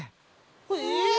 え！？